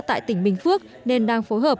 tại tỉnh bình phước nên đang phối hợp